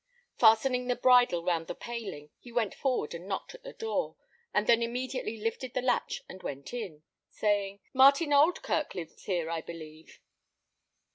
Fastening the bridle round the paling, he went forward and knocked at the door, and then immediately lifted the latch and went in, saying, "Martin Oldkirk lives here, I believe?"